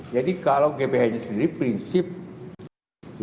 jadi kalau gbhn sendiri prinsipnya